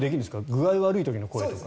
具合が悪い時の声とか。